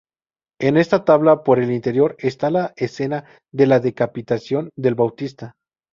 En esa tabla por el interior está la escena de la decapitación del Bautista.